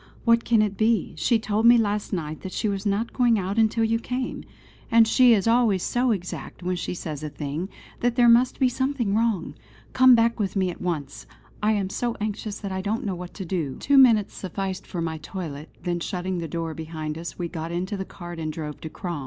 What can it be? She told me last night that she was not going out until you came; and she is always so exact when she says a thing, that there must be something wrong. Come back with me at once! I am so anxious that I don't know what to do." Two minutes sufficed for my toilet; then shutting the door behind us, we got into the cart and drove to Crom.